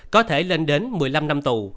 có thể lên đến một mươi năm năm tù